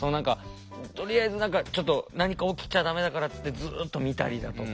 とりあえずちょっと何か起きちゃ駄目だからっつってずっと見たりだとか。